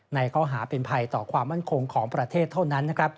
ในข้อหาเป็นภัยต่อความมั่นคงของประเทศเท่านั้น